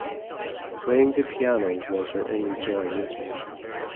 Playing the piano was her only joy lately.